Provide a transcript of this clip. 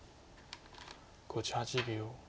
５８秒。